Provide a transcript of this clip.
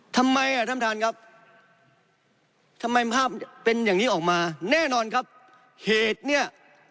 ทำไมอ่ะท่านท่านครับทำไมภาพเป็นอย่างนี้ออกมาแน่นอนครับเหตุเนี่ย